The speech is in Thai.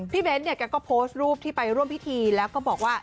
เบ้นเนี่ยแกก็โพสต์รูปที่ไปร่วมพิธีแล้วก็บอกว่า